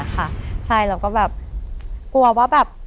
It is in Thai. กลัวว่าแบบ